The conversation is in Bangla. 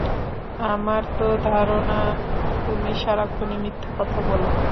আমার তো ধারণা, তুমি সারাক্ষণই মিথ্যা কথা বল।